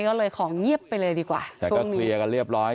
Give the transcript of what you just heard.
ก็เลยของเงียบไปเลยดีกว่าแต่ก็เคลียร์กันเรียบร้อย